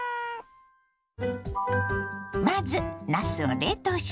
まずなすを冷凍します。